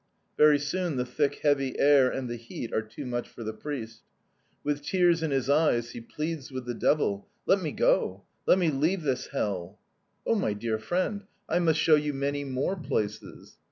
Very soon the thick, heavy air and the heat are too much for the priest. With tears in his eyes, he pleads with the devil: 'Let me go! Let me leave this hell!' "'Oh, my dear friend, I must show you many more places.'